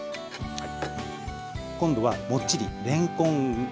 はい。